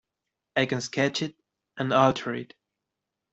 I can sketch it and alter it.